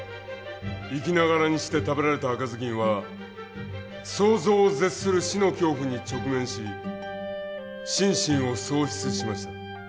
生きながらにして食べられた赤ずきんは想像を絶する死の恐怖に直面し身心を喪失しました。